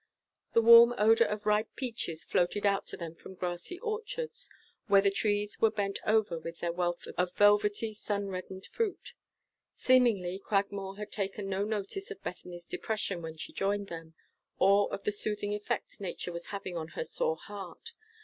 The warm odor of ripe peaches floated out to them from grassy orchards, where the trees were bent over with their wealth of velvety, sun reddened fruit. Seemingly, Cragmore had taken no notice of Bethany's depression when she joined them, or of the soothing effect nature was having on her sore heart.